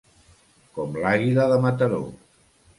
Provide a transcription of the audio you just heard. Com l'àguila de Mataró.